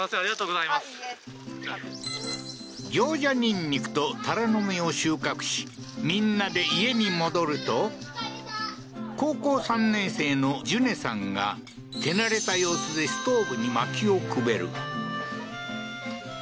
行者ニンニクとタラの芽を収穫し、みんなで家に戻ると高校３年生の樹音さんが、手慣れた様子でストーブに薪をくべる。